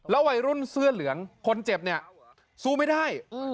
วัยรุ่นเสื้อเหลืองคนเจ็บเนี่ยสู้ไม่ได้